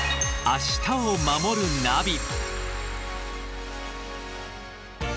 「明日をまもるナビ」